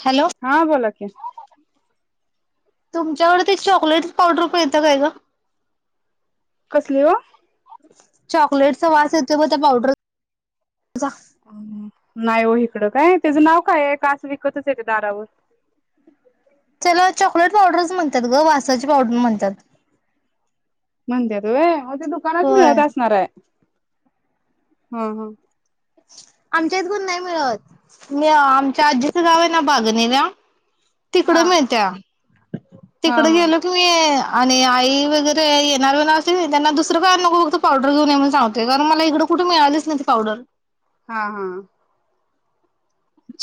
Hello हा बोला कि- तुमच्याकडे ते चॉकलेट पावडर प येत काय ग - कसली ग- चॉकलेटचा वास येतो ब त्या पावडर- नाही हो इकडं काय- त्याचं नाव काय ये का असं विकतच येते दारावर- त्याला चॉकलेट पावडरच म्हणतात ग वासाची पावडर म्हणतात. म्हणत्यात होय- दुकानाच मिळत होय असणारे. ह ह. आमच्या इतकून नाही मिळत आमच्या आजीच गावे ना बागणेवा- तिकड हा मिळत्या. हा हा तिकड हा गेलो की मी- आणि आई वगैरे येणारे ना असे त्यांना दुसरं काय नको फक्त पावडर घेऊन ये म्हणून सांगतोय कारण मला इकडं कुठे मिळालीच नाही त पावडर. हा हा.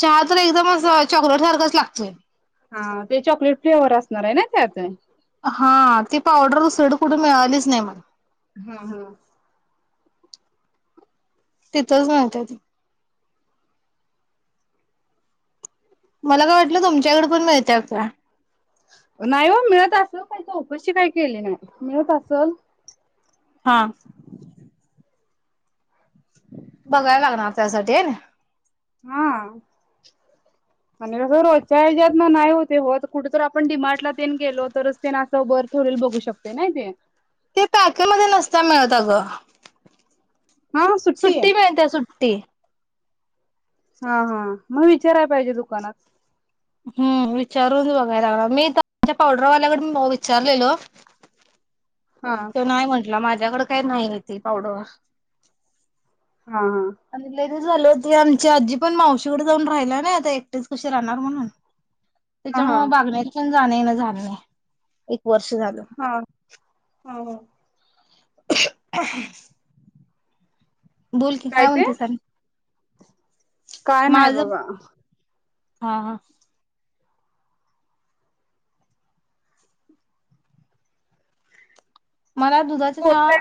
चहा तर एकदम अस चॉकलेट सारखचं लागतय. हा ते चॉकलेट फ्लेवर असणार आहे. ना त्यात, हा ती पावडर दुसरीकड कुठे मिळालीच नाही मला हा हा. तिथंच [inaudible] मला काय वाटलं तुमच्याकड, पण मिळत्या काय? नाही हो, मिळत असल पण चौकशी काय केली नाही, मिळत असल. हा. बघायला लागणार त्यासाठी [inaudible] हा आणि कस रोचा हे जात नाही ओ होत होत कुठ तर आपण डी मार्टला तेन गेलो तरच ते असं वर ठेवलेल बघू शकते ना ते. ते पॅकेज मध्ये नसत मिळत आगं. हा आहे सुट्टी मिळते सुट्टी. हा हा मग विचारायला पाहिजे दुकानात. हम्म विचारून बघाय लागणार मी त्यांच्या पावडरवाल्याकडून विचारलेलो. हा तो नाही म्हटला माझ. माझ्याकड काही नाही ती पावडर. हा हा. आणि लय ते झाल, चं आमची आजी पण मावशीकडे जाऊन राहिला ना आता एकटेच कशी राहणार म्हणून. हा हा त्याच्यामुळे [inaudible] जाणे ना जाणे ए वर्ष झालं. हा [unintelligible] [inaudible] बोल की काय म्हणतेस आणि, काय नाही माझं बघा. हा हा. मला दुधाचा चहा.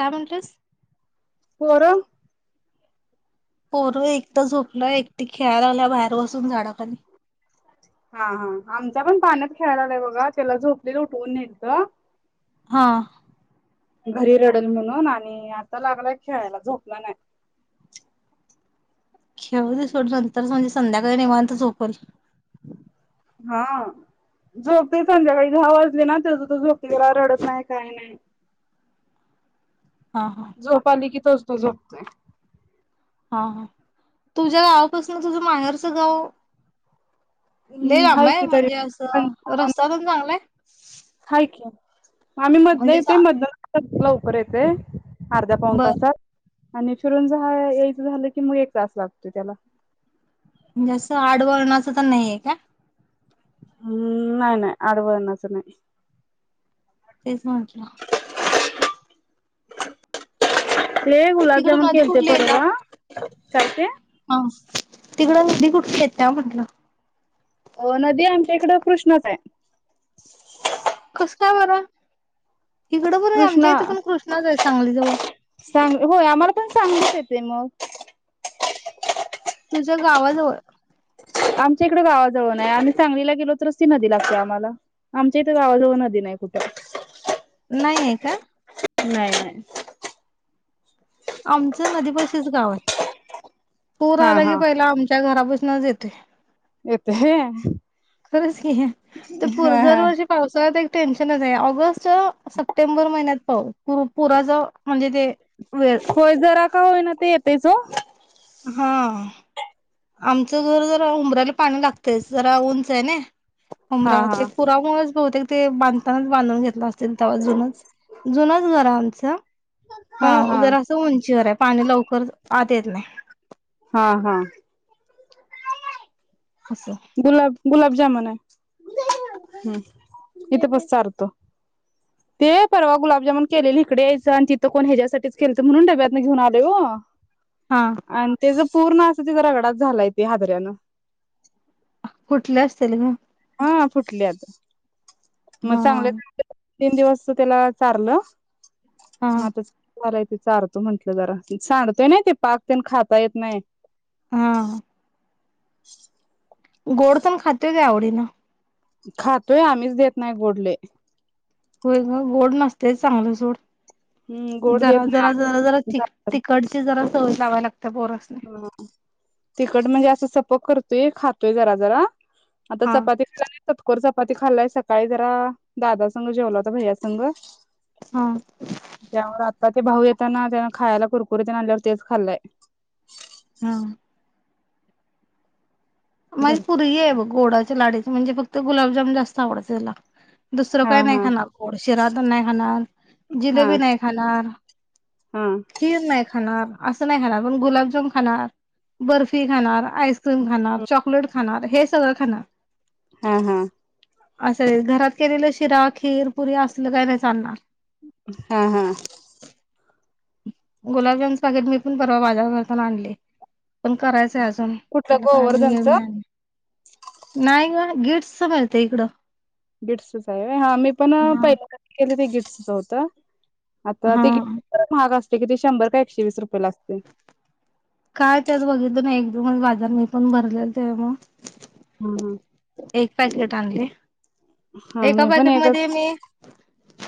काय म्हंटलस. पोरं. पोर, एकट झोपलं एकटी खेळाल्या बाहेर बसून झाडाखाली. हा हा आमचा पण पाण्यात खेळायला बघा त्याला झोपलेलं उठवून नेलत. हा. घरी रडल म्हणून, आणि आता लागलाय खेळायला झोपला नाही. खेळूदे सोड नंतरच म्हणजे संध्याकाळी निेवांत झोपलं. हा झोपतो संध्याकाळी दहा वाजले ना, तेज तो झोपतो रडत नाही काय नाही. हा हा झोप आली कि त्यो तो झोपतोय. हा हा तुझ्या गावापासून तुझं माहेरचं गाव. लै हम्म लांब हाय आहे की तरी म्हणजे असं पंचावन्न रस्तातेण चांगलाय. हाय की आम्ही मध म्हणजे नाही येतोय असा मध कुसला उपर येते. अर्धा पाऊन बरं तासात आणि फिरून ज हा यायचं झालं की मग एक त्रास लागतोय त्याला जसं आडवळणाचं तर नाहीये का हम्म नाही नाही आडवळण्याचं नाही. तेच माच [unintelligible] हे तिकड गुलाबजामन नदी खेळते कुठली पर येत्या ग ते हा तिकडंी नदी कुठे येत्या म्हटलं अ नदी आमच्या इकड कृष्णच आहे. कस काय बरा. कृष्णा सांगली जवळ. सांग होय आम्हाला पण सांग ते मग तुझ्या गावाजवळ आमच्या इकडं गावाजवळ नाही आम्ही सांगलीला गेलो. तरच ती नदी लागते. आम्हाला आमच्या इथं गावाजवळ नदी नाही कुठे नाहीये का? नाही नाही. आमचं नदीपाशीच गाव आहे. पुर हा आला की हा पहिला आमच्या घरा पशी नजयेते. येते खरंच की ते पूर हा हा दरवर्षी पावसाळ्यात एक टेन्शनचे ऑगस्ट सप्टेंबर महिन्यात पाउस पुर पुराच म्हणजे ते वेळ. होय जरा का होईना ते येतयच ओ. हा आमचं घर जरा उबरा्याला पाणी लागतय जरा उंचये ना. हा उमरा ते हा पुरा मुळच बहुतेक ते बनतानाच बाधुन घेत असेल तेव्हा जूनच जुनच घर आम च. हा पण हा जरसं उंचीवरे पाणी लवकर आत येत नाही. हा हा. असं गुलाब गुलाब जामुने हम्म इथे बस चारतो. ते परवा गुलाबजामन केलेल इकडे यायचं आणि तिथं कोण ह्याच्यायासाठीच केलत म्हणून डब्यातन घेऊन आले ग हा आणि त्याच पूर्ण अस तिचा रगडाात झालाय ते हादऱ्यानं. फुठले असतील ग. हा फुटली आता. मग हा चांगलेत. तीन दिवस त्याला चारलं हा म आता. बरय ते चारतो म्हटलं जरा सांडतय ना ते पाक ते खाता येत नाय. हा. [inaudible] गोड पण खाते काय आवडी न. खातोय आम्हीच देत नाही गोड लई. होय ग गोड नसते चांगलं सोड. हम्म गोड जरा देत जरा नाही जरा जरा तिखटची जरा सवय लावायलाग पोरासनी. खट म्हणजे असं सप करतोय खातोय जरा जरा. आता हा चपाती करायले चतकोर चतकोर मग ते खाल्लाय सकाळी जरा दादासंग जेवला होता भैया संघ हा त्यामुळे आता ते भाऊ येताना त्यान खायला कुरकुरे तेन आणल्यावर तेच खाल्लंय. हा माझी धर पोरगी हाय बघं. गोडाच्या लाडचे म्हणजे फक्त गुलाबजान जास्त आवडत. त्याला दुसरं हा काही नाही हा खाणार गोड शिरा त नाही, खाणार हा जिलेबी नाही, खाणार हा खीर नाही खाणार. असं नाही खाणार पण गुलाबजाम खाणार बर्फी खाणार आईस्क्रीम खाणार. चॉकलेट खाणार हे सगळं खाणार. हा हा असं घरात केलेलं शिरा खीर पुरी असलं काही नाही चालणार. हा हा गुलाबजामच पाकेट मी पण परवा बाजार करताना, आणलयं. पण करायचं अजून कुठलं त्याला काय अजून वेळ गोवर्धनच मिळाला नाही. गं गीट्स च मिळतं इकडं. गिट्सच च आहे. हा मी पण हा. पहिल्यांदा केले ते गिट्स. चौथ आता हा ते [unintelligible] महाग असत. ते किती? शंभर का एकशेवीस रुपए. काय? तेच बघितल नाही. बाजार मी पण भरले ते मग ह ह एक पॅकेट हा हा मी पण एकच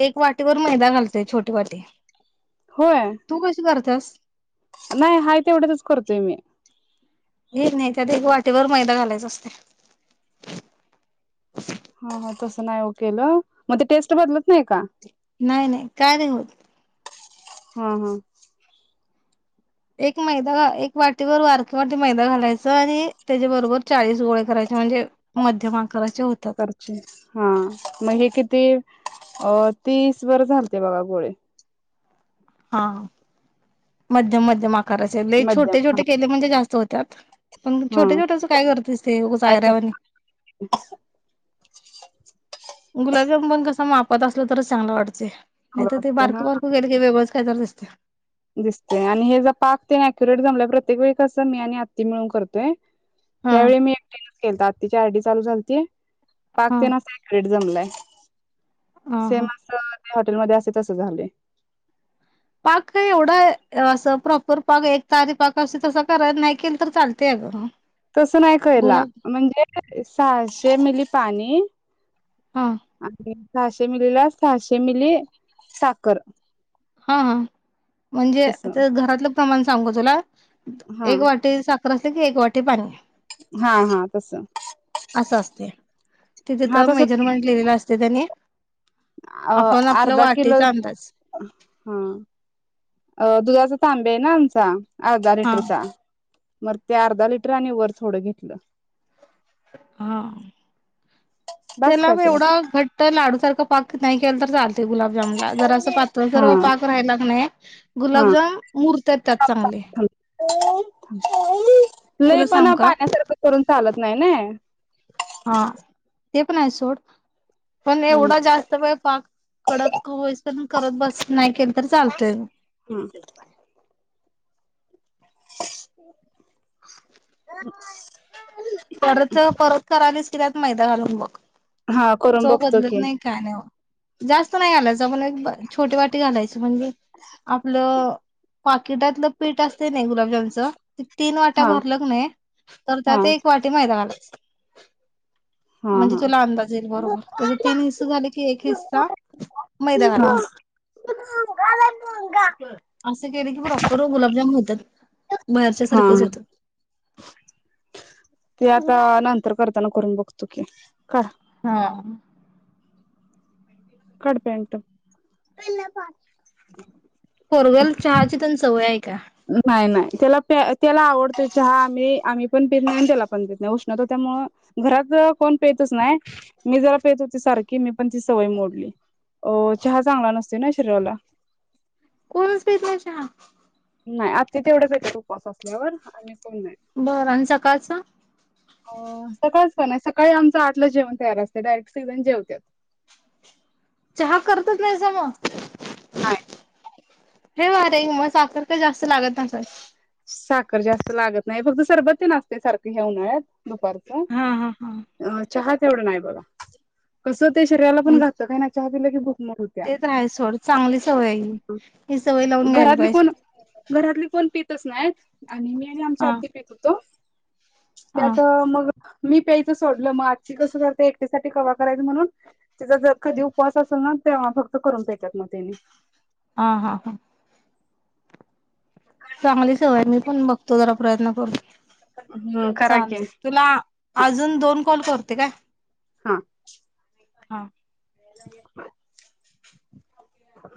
एक वाटीवर मैदा घालतोय, छोटी वाटी होय तू कशी कर दस नाही, हाय तेवढ्यातच करतोय मी. हे [unintelligible] नाही त्यात एक वाटीवर मैदा घालायचा असतयं. ह, ह तसं नाही ओ केलं, म ते टेस्ट बदलत नाही, का? नाही, नाही, काय नाही होत. हा, हा एक मैदा एक वाटीवर वारक वाटी मैदा घालायचं, आणि त्याच्याबरोबर चाळीस गोळे करायचे म्हणजे, मध्यम आकाराचे होतात करते, हा म हे किती? अ, तीस वर झालते बघा गोळे. हा, मध्यम, मध्यम करायचयं लय छोटे, मध्यम हा छोटे केले म्हणते, जास्त हो त्यात पण हा छोट्या, छोट्याच काय करतेस, ते उगाचं काय कराव ऐऱ्यावानी. गुलाबजाम पण कस माप होत असलं तरच चांगलं वाटतय. नाही तर ते वाटते हा बारकं बारकं केलं की व्यवस्थ त्याचावर दिसत. दिसते आणि हे जर पाक कीनाय अक्युरेट जमला प्रत्येक वेळी कसं मी आणि आत्ती मिळून करतोय? हा हयावेळी मी एकटिनच केलंत, आत्ती गाडी चालू झालती पाक हा ते ना अक्यूरेट जमलाय. [unintelligible] हा सेम हा असंच हॉटेलमध्ये असत तस झालेय. पाक त एवढा अस प्रॉपर पाक एक तारी पाक असे तस कराय नाही केल तर चालतय अग तसं नाही केला, म्हणजे सहाशे मिली पाणी हा आहे सहाशे मिलीला सहाशे मिली साखर हा, हा म्हणजे तस आता घरातलं प्रमाण सांगू तुला? हा एक वाटी साख अस की एक वाटी पाणी हा हा तसं. कसं असते. तिथे तर मेजरमेंट लिहिलेलं असते त्यानी अ आपण आपला अर्धा किलो वाटीचा अंदाज. हा अ दुधाचा तांब्या आहे ना आमचा. अर्धा हा लिटरचा. मग ते अर्धा लिटर आणि वर थोडं घेतलं. हा. बास त्याला काय तुला एवढा घट्ट लाडू सारखं पाक नाही केल तर चालते गुलाबजामूनला. जरासा जर हा पातळ पाक राहिला का नाय. [unintelligible] हा गुलाबजाम मुरत्यात त्यात चांगले. लय तुला पण सांग का पाण्यासारखं करून चालत नाही ने. हा ते पण आहे सोड.. पण एवढा जास्त प पाक कडक होईस पण करत बस नाही केल तरी चालतय. हम्म [unintelligible] परत परत करायलीस त्यात मैदा घालून बघ हा करून चव बघतो बदलत की नाही काय नाही जास्त नाही घालायचं मला एक छोटी वाटी घालायच म्हणजे आपलं पाकिटातलं पीठ असत ना गुलाबजामचं तीन वाट्या हा भरल क नाही तर हा त्यात एक वाटी मैदा घालायचा हा म्हणजे हा तुला अंदाज बरोबर त्याचा तीन हिस्स झाले की एक हिस्सा मैदा घालायचा भोंगा आलाय भोंगा असं केलं की बरोबर गुलाबजामन होतात बाहेरच्या हा सारखेच होतेत ते आता नंतर करताना करून बघतो की का करा हा काढ पॅन्ट हम् पोरग्याला चहाची पण सवय आहे का नाही नाही त्याला प त्याला आवडतो चहा आमही आम्ही पण पेत नाही आणि त्याला पण देत नाही उष्णता त्यामु घरात कोण पेतच नाही मी जरा पेत होती सारखी मी पण ती सवय मोडली अ चहा चांगला नसते ना शरीराला कोणच पेत नाही चहा नाही अति तेवढं पिती उपस असल्यावर आणि बरं अन सकाळच? अं सकाळच नाही सकाळी आमचं आटलाच जेवण तयार असत. डायरेक्ट सगळेजण जेवतात. चहा करतच नाही सा मग? नाय. हे वा रे म साखर का जास्त लागत नसेल. साखर जास्त लागत नाही फक्त सरबत तेन असते सारखं या उन्हाळ्यात. दुपारचं. हा हा हा. अं चहा तेवढं नाही बघा. कस ते शरीराला पण घातक आहे ना चा केलं की भू ते तर आहेच. सोड चांगली सवय आहे ही. ही सवय लावून घ्यायला पाहिजे. सं नाही आणि मेन आमच्या हा. हाती पिकतो. हा त्यात मग मी प्यायचं सोडलं मग आज्जी कसं करते एकट्यासाठी कवा करायच म्हणून तिचा ज कधी उपवास असेल ना तेव्हा फक्त करून प्यायतात मग त्यायले. हा हा हा. चांगली सवय मी पण बघतो जरा प्रयत्न बरं. हम्म करा की चालते तुला अजून दोन कॉल करते काय? हा. हा [inaudible]